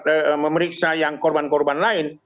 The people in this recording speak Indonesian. mereka juga memperiksa yang korban korban lain